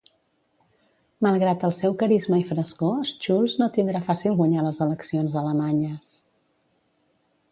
Malgrat el seu carisma i frescor, Schulz no tindrà fàcil guanyar les eleccions alemanyes.